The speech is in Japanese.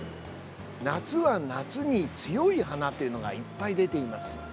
夏は夏に強い花というのがいっぱい出ています。